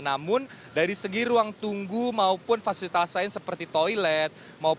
namun dari segi ruang tunggu maupun fasilitas lain seperti toilet